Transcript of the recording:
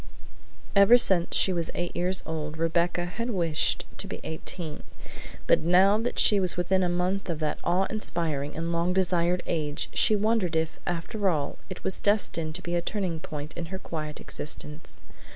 Ever since she was eight years old Rebecca had wished to be eighteen, but now that she was within a month of that awe inspiring and long desired age she wondered if, after all, it was destined to be a turning point in her quiet existence.